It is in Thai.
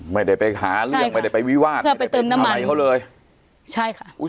ไม่ได้ไปหาเรื่องไม่ได้ไปวิวาสเพื่อไปเติมน้ำมันเขาเลยใช่ค่ะอุ้ย